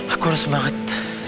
aku harus semangat